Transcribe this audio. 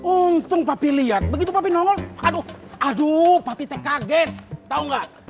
untung papi lihat begitu papi nongol aduh aduh papi teh kaget tahu enggak